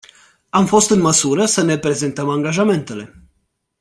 Am fost în măsură să ne prezentăm angajamentele.